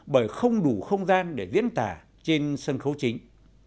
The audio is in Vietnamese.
bởi không đủ không gian để diễn tả trên sân khấu chính